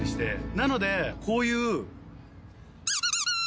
なのでこういう。